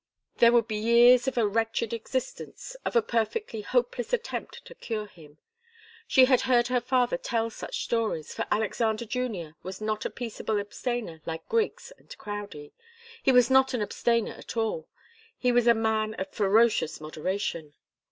There would be years of a wretched existence, of a perfectly hopeless attempt to cure him. She had heard her father tell such stories, for Alexander Junior was not a peaceable abstainer like Griggs and Crowdie. He was not an abstainer at all he was a man of ferocious moderation.